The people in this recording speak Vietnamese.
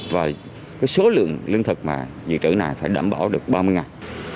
và cái số lượng lương thực mà dự trữ này phải đảm bảo được ba mươi ngày